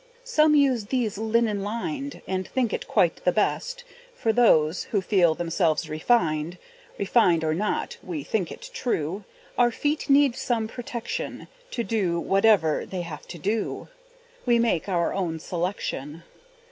Some use these linen lined, And think it quite the best, for those Who feel themselves refined. Refined or not, we think it true Our feet need some protection; To do whate'er they have to do, We make our own selection.